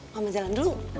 mama jalan dulu